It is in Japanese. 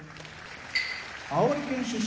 青森県出身